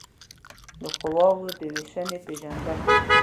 د قواوو د وېشنې پېژندنه